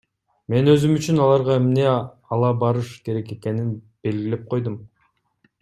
Мен өзүм үчүн аларга эмне ала барыш керек экенин белгилеп койдум.